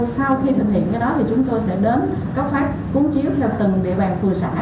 sau khi thực hiện cái đó thì chúng tôi sẽ đến cấp phát cuốn chiếu theo từng địa bàn phường xã